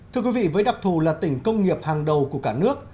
thưa quý vị với đặc thù là tỉnh công nghiệp hàng đầu của cả nước